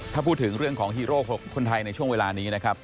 ถ้าพูดถึงเรื่องของฮีโร่๖คนไทยในช่วงเวลานี้นะครับ